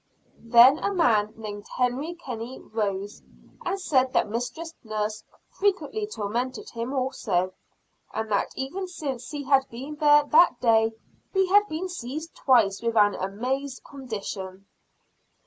Then a man named Henry Kenney rose, and said that Mistress Nurse frequently tormented him also; and that even since he had been there that day, he had been seized twice with an amazed condition.